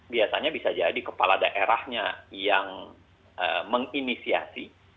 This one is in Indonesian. biasanya bisa jadi kepala daerahnya yang menginisiasi